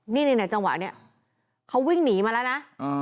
นี่ในจังหวะนี้เขาวิ่งหนีมาแล้วนะ